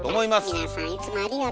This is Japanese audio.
皆さんいつもありがとう。